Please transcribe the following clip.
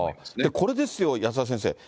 これですよ、保田先生。